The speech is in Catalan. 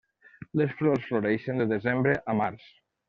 Les flors floreixen de desembre a març.